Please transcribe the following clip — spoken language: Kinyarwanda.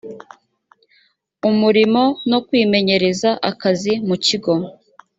umurimo no kwimenyereza akazi mu kigo